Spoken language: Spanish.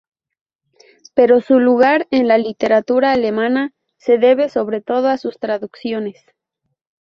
Pero su lugar en la literatura alemana se debe sobre todo a sus traducciones.